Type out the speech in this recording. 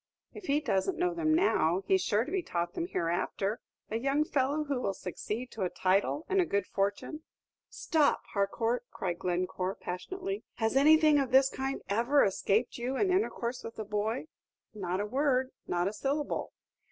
"If he doesn't know them now, he's sure to be taught them hereafter. A young fellow who will succeed to a title and a good fortune " "Stop, Harcourt!" cried Glencore, passionately. "Has anything of this kind ever escaped you in intercourse with the boy?" "Not a word not a syllable."